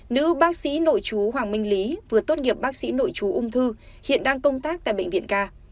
nữ bác sĩ nội chú hoàng minh lý vừa tốt nghiệp bác sĩ nội chú ung thư hiện đang công tác tại bệnh viện ca